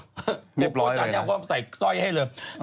โฮโคชันเนลเขาเอาใส่ซ่อยให้เลย